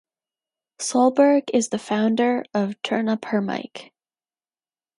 Solberg is the founder of Turn Up Her Mic.